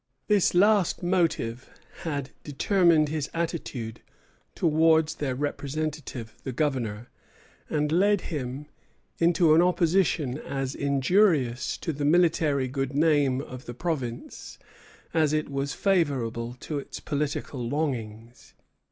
This last motive had determined his attitude towards their representative, the Governor, and led him into an opposition as injurious to the military good name of the province as it was favorable to its political longings.